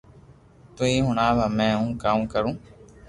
تو ھي ھوڻاو ھمي ھون ڪاوُ ڪرو